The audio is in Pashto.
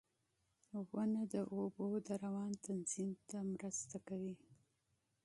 • ونه د اوبو د جریان تنظیم ته مرسته کوي.